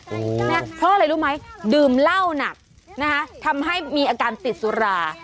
เพราะอะไรรู้ไหมดื่มเหล้าหนักนะคะทำให้มีอาการติดสุรา